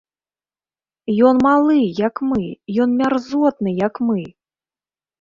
Ён малы, як мы, ён мярзотны, як мы!